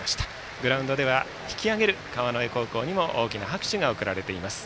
グラウンドでは引き上げる川之江高校にも大きな拍手が送られています。